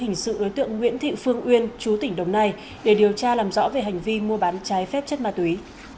hình sự đối tượng nguyễn thị phương uyên chú tỉnh đồng nai để điều tra làm rõ về hành vi mua bán trái phép chất ma túy